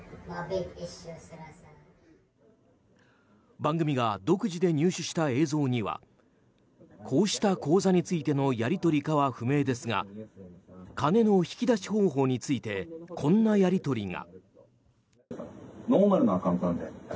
番組が独自で入手した映像にはこうした口座についてのやり取りかは不明ですが金の引き出し方法についてこんなやり取りが。